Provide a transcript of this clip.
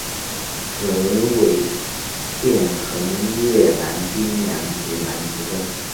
此纬线横越南冰洋及南极洲。